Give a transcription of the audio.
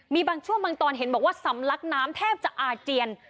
มีบางช่วงบางตอนเห็นบอกว่าสำลักน้ำแทบจะอาเจียน